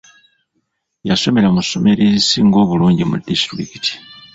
Yasomera mu ssomero erisinga obulungi mu disitulikiti.